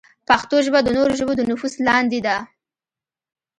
پښتو ژبه د نورو ژبو د نفوذ لاندې ده.